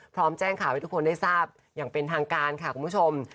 พร้อมแจ้งข่าวให้ทุกคนได้ทราบอย่างเป็นทางการค่ะคุณผู้ชม